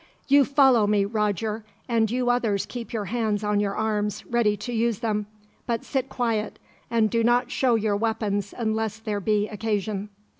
"You follow me, Roger; and you others keep your hands on your arms, ready to use them. But sit quiet, and do not show your weapons unless there be occasion."